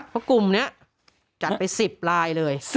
เพราะกลุ่มนี้จัดไป๑๐ลายเลย